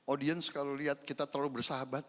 audience kalau lihat kita terlalu bersahabat